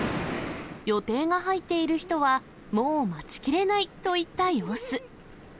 予定が入っている人は、もう待ちきれないといった様子。